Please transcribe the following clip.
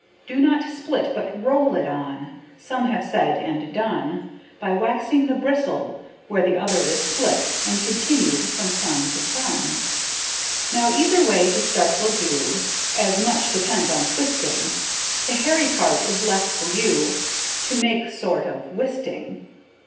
Do not split but roll it on, Some have said and done, By waxing the bristle where the other is split, And continued from sun to sun. Now either way to start will do, As much depends on twisting, The hairy part is left for you To make sort of whisting.